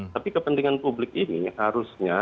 tapi kepentingan publik ini harusnya